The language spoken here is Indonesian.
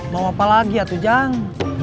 mau apa lagi atu jang